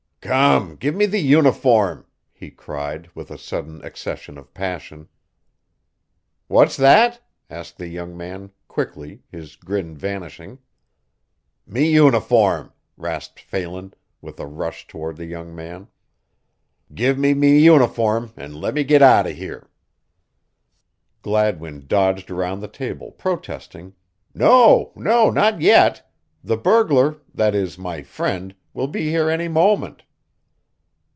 "Come, give me me uniform," he cried, with a sudden accession of passion. "What's that?" asked the young man, quickly, his grin vanishing. "Me uniform!" rasped Phelan, with a rush toward the young man. "Give me me uniform an' let me git out of here." Gladwin dodged around the table, protesting: "No, no not yet. The burglar that is, my friend will be here any moment."